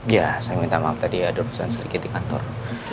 ya saya minta maaf tadi ada urusan sedikit di kantor